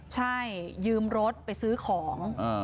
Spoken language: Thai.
ใช่ยืมรถไปซื้อของ